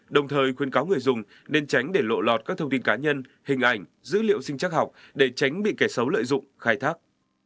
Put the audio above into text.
đồng thời khuyên cáo người dùng nên tránh để lộ lọt các thông tin cá nhân hình ảnh dữ liệu sinh chắc học để tránh bị kẻ xấu lợi dụng khai thác